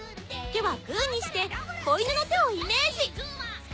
手はグーにして子犬の手をイメージ。